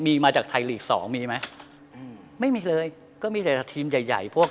มีมาจากไทยลีกสองมีไหมอืมไม่มีเลยก็มีแต่ทีมใหญ่ใหญ่พวก